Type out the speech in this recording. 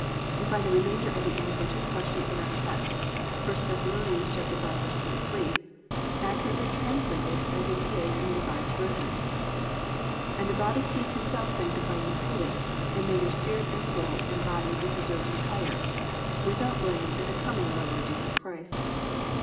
We find the remainder of the answer to the question in our text, 1 Thess. 5:23 accurately translated as it is in the Revised Version, +"And the God of peace himself sanctify you wholly; and may your spirit and soul and body be preserved entire, without blame at the coming of our Lord Jesus Christ."